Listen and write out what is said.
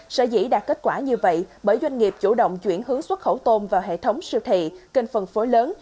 sở dĩ đạt kết quả như vậy bởi doanh nghiệp chủ động chuyển hướng xuất khẩu tôm vào hệ thống siêu thị kênh phân phối lớn